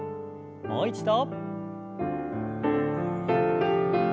もう一度。